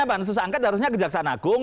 bansus angket harusnya kejaksaan agung